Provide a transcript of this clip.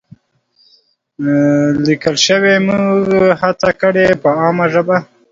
لیکل شوې، موږ هڅه کړې په عامه ژبه